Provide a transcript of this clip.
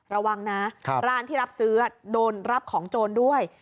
ระวังนะร้านที่รับซื้อโดนรับของโจรด้วย